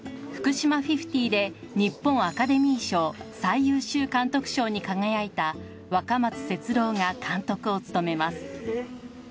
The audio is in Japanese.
『Ｆｕｋｕｓｈｉｍａ５０』で日本アカデミー賞最優秀監督賞に輝いた若松節朗が監督を務めます。